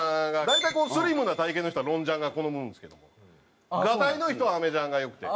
大体スリムな体形の人はロンジャンが好むんですけどガタイのいい人はアメジャンがよくて。